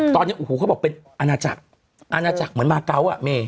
ตอนนี้เขาบอกเป็นอาณาจักรเหมือนมาเก้าอ่ะเม